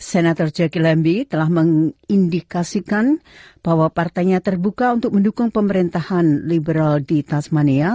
senator jacky lembi telah mengindikasikan bahwa partainya terbuka untuk mendukung pemerintahan liberal di tasmania